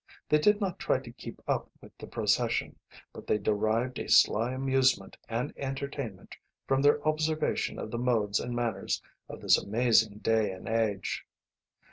They did not try to keep up with the procession, but they derived a sly amusement and entertainment from their observation of the modes and manners of this amazing day and age.